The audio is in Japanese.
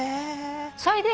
それで。